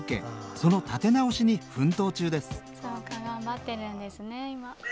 その立て直しに奮闘中です